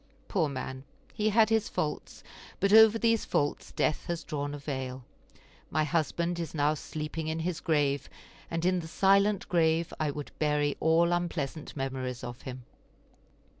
Poor man; he had his faults, but over these faults death has drawn a veil. My husband is now sleeping in his grave, and in the silent grave I would bury all unpleasant memories of him.